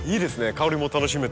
香りも楽しめて。